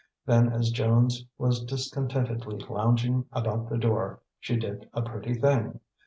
Then, as Jones was discontentedly lounging about the door, she did a pretty thing.